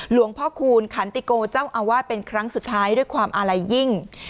หลวงพ่อคูณขันติโกเจ้าอาวาสเป็นครั้งสุดท้ายด้วยความอาลัยยิ่ง